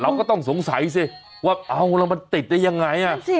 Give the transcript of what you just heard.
ว่าเอานะมันติดได้ยังไง